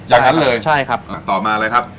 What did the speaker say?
อย่างนั้นเลยต่อมาอะไรครับ